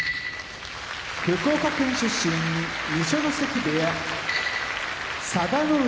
福岡県出身二所ノ関部屋佐田の海